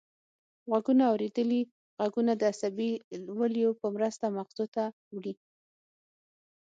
غوږونه اوریدلي غږونه د عصبي ولیو په مرسته مغزو ته وړي